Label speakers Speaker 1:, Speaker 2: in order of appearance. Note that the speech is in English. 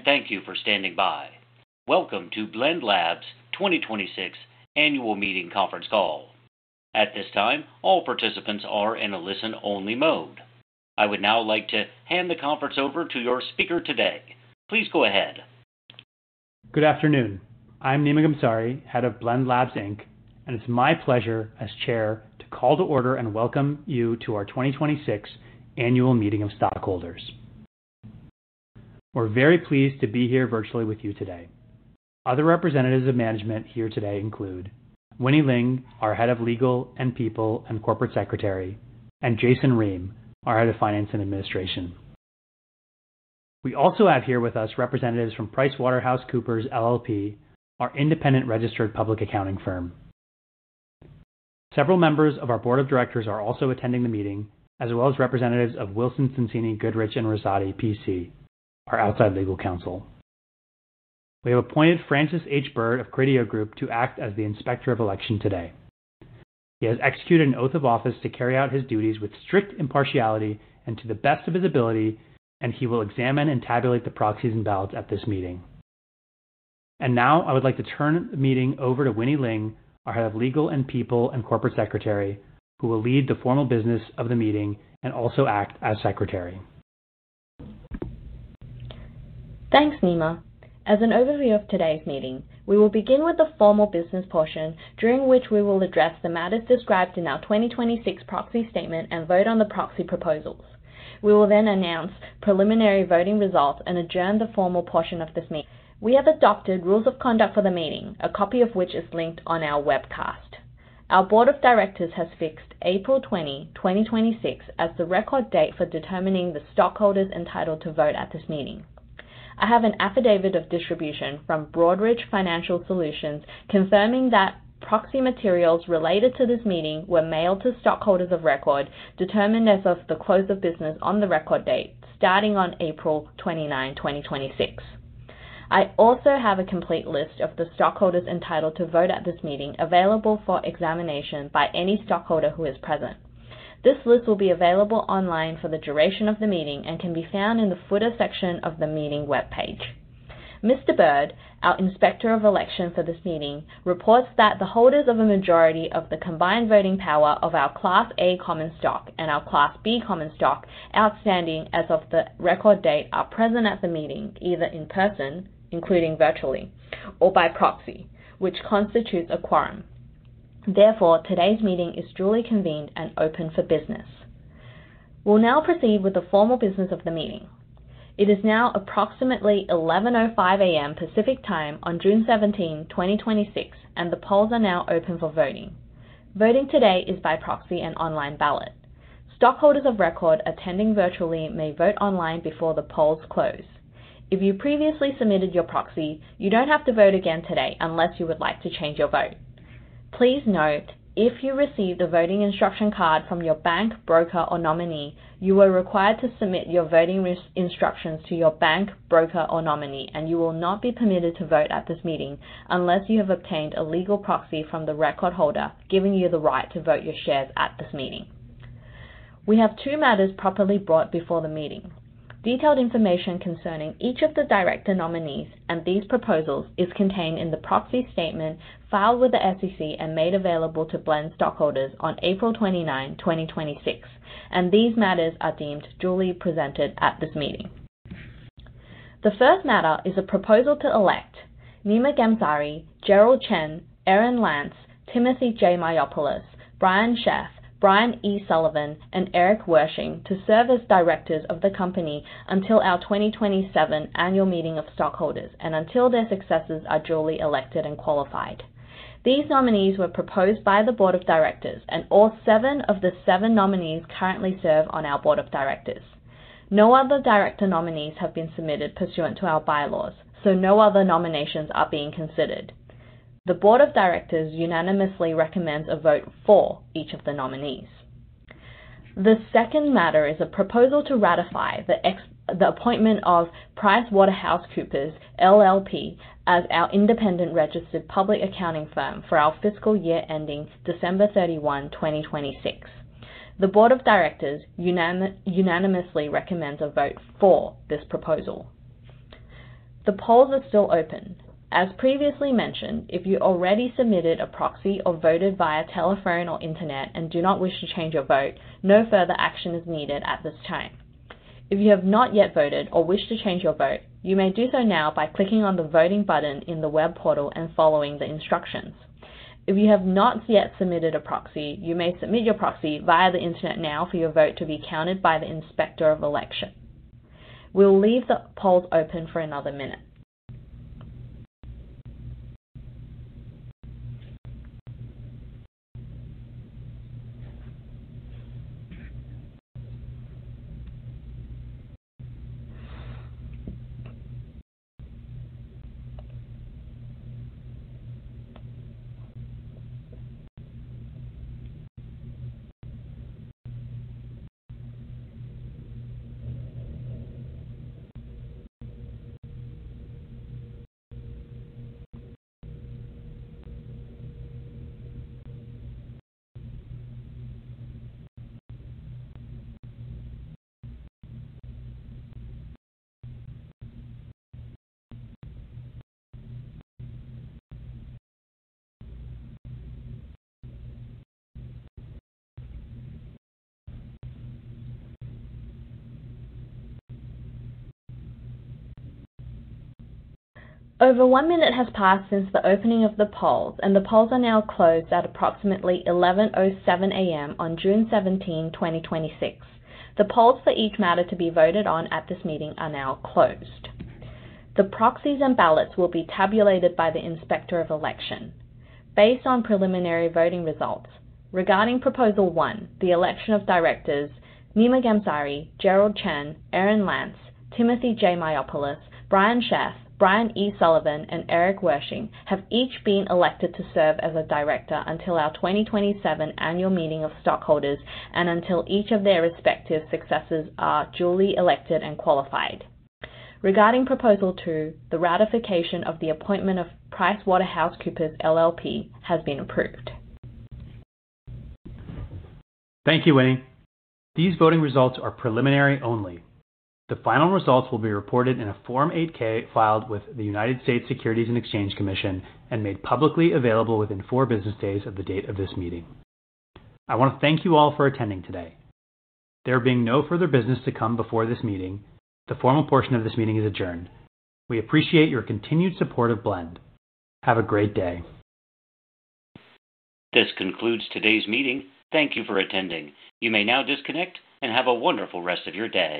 Speaker 1: Good day, and thank you for standing by. Welcome to Blend Labs 2026 Annual Meeting Conference Call. At this time, all participants are in a listen-only mode. I would now like to hand the conference over to your speaker today. Please go ahead.
Speaker 2: Good afternoon. I'm Nima Ghamsari, Head of Blend Labs, Inc., and it's my pleasure as Chair to call to order and welcome you to our 2026 Annual Meeting of Stockholders. We're very pleased to be here virtually with you today. Other representatives of management here today include Winnie Ling, our Head of Legal and People and Corporate Secretary, and Jason Ream, our Head of Finance and Administration. We also have here with us representatives from PricewaterhouseCoopers LLP, our independent registered public accounting firm. Several members of our Board of Directors are also attending the meeting, as well as representatives of Wilson Sonsini Goodrich & Rosati, P.C., our outside legal counsel. We have appointed Francis H. Bird of Carideo Group to act as the Inspector of Election today. He has executed an oath of office to carry out his duties with strict impartiality and to the best of his ability, and he will examine and tabulate the proxies and ballots at this meeting. Now I would like to turn the meeting over to Winnie Ling, our Head of Legal and People and Corporate Secretary, who will lead the formal business of the meeting and also act as Secretary.
Speaker 3: Thanks, Nima. As an overview of today's meeting, we will begin with the formal business portion, during which we will address the matters described in our 2026 Proxy Statement and vote on the proxy proposals. We will then announce preliminary voting results and adjourn the formal portion of this meeting. We have adopted rules of conduct for the meeting, a copy of which is linked on our webcast. Our Board of Directors has fixed April 20, 2026, as the record date for determining the stockholders entitled to vote at this meeting. I have an affidavit of distribution from Broadridge Financial Solutions confirming that proxy materials related to this meeting were mailed to stockholders of record determined as of the close of business on the record date starting on April 29, 2026. I also have a complete list of the stockholders entitled to vote at this meeting available for examination by any stockholder who is present. This list will be available online for the duration of the meeting and can be found in the footer section of the meeting webpage. Mr. Bird, our Inspector of Election for this meeting, reports that the holders of a majority of the combined voting power of our Class A common stock and our Class B common stock outstanding as of the record date are present at the meeting, either in person, including virtually, or by proxy, which constitutes a quorum. Therefore, today's meeting is duly convened and open for business. We'll now proceed with the formal business of the meeting. It is now approximately 11:05 A.M. Pacific Time on June 17, 2026, and the polls are now open for voting. Voting today is by proxy and online ballot. Stockholders of record attending virtually may vote online before the polls close. If you previously submitted your proxy, you don't have to vote again today unless you would like to change your vote. Please note, if you received a voting instruction card from your bank, broker, or nominee, you are required to submit your voting instructions to your bank, broker, or nominee, and you will not be permitted to vote at this meeting unless you have obtained a legal proxy from the record holder giving you the right to vote your shares at this meeting. We have two matters properly brought before the meeting. Detailed information concerning each of the director nominees and these proposals is contained in the Proxy Statement filed with the SEC and made available to Blend stockholders on April 29, 2026. These matters are deemed duly presented at this meeting. The first matter is a proposal to elect Nima Ghamsari, Gerald Chen, Erin Lantz, Timothy J. Mayopoulos, Brian Sheth, Bryan E. Sullivan, and Eric Woersching to serve as directors of the company until our 2027 Annual Meeting of Stockholders and until their successors are duly elected and qualified. These nominees were proposed by the Board of Directors, and all seven of the seven nominees currently serve on our Board of Directors. No other director nominees have been submitted pursuant to our bylaws, no other nominations are being considered. The Board of Directors unanimously recommends a vote for each of the nominees. The second matter is a proposal to ratify the appointment of PricewaterhouseCoopers LLP as our independent registered public accounting firm for our fiscal year ending December 31, 2026. The Board of Directors unanimously recommends a vote for this proposal. The polls are still open. As previously mentioned, if you already submitted a proxy or voted via telephone or Internet and do not wish to change your vote, no further action is needed at this time. If you have not yet voted or wish to change your vote, you may do so now by clicking on the voting button in the web portal and following the instructions. If you have not yet submitted a proxy, you may submit your proxy via the Internet now for your vote to be counted by the Inspector of Election. We will leave the polls open for another minute. Over one minute has passed since the opening of the polls, and the polls are now closed at approximately 11:07 A.M. on June 17, 2026. The polls for each matter to be voted on at this meeting are now closed. The proxies and ballots will be tabulated by the Inspector of Election. Based on preliminary voting results, regarding Proposal One, the election of directors Nima Ghamsari, Gerald Chen, Erin Lantz, Timothy J. Mayopoulos, Brian Sheth, Bryan E. Sullivan, and Eric Woersching have each been elected to serve as a director until our 2027 Annual Meeting of Stockholders and until each of their respective successors are duly elected and qualified. Regarding Proposal Two, the ratification of the appointment of PricewaterhouseCoopers LLP has been approved.
Speaker 2: Thank you, Winnie. These voting results are preliminary only. The final results will be reported in a Form 8-K filed with the United States Securities and Exchange Commission and made publicly available within four business days of the date of this meeting. I want to thank you all for attending today. There being no further business to come before this meeting, the formal portion of this meeting is adjourned. We appreciate your continued support of Blend. Have a great day.
Speaker 1: This concludes today's meeting. Thank you for attending. You may now disconnect and have a wonderful rest of your day.